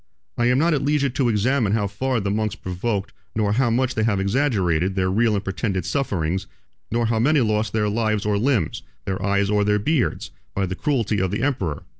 23 2311 I am not at leisure to examine how far the monks provoked, nor how much they have exaggerated, their real and pretended sufferings, nor how many lost their lives or limbs, their eyes or their beards, by the cruelty of the emperor.